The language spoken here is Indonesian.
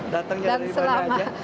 datangnya dari mana aja